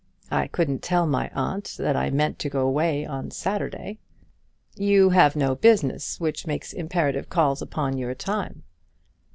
I couldn't tell my aunt that I meant to go away on Saturday." "You have no business which makes imperative calls upon your time."